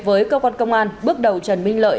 với cơ quan công an bước đầu trần minh lợi